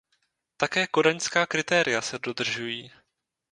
Také kodaňská kritéria se dodržují.